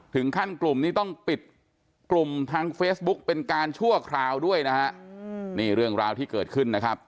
กลุ่มนี้ต้องปิดกลุ่มทางเฟซบุ๊กเป็นการชั่วคราวด้วยนะฮะนี่เรื่องราวที่เกิดขึ้นนะครับ